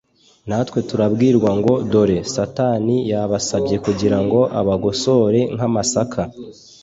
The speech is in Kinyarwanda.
natwe turabwirwa ngo Dore Satani yabasabye kugira ngo abagosore nkamasaka